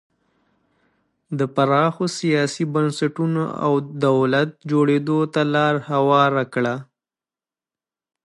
د پراخو سیاسي بنسټونو او دولت جوړېدو ته لار هواره کړه.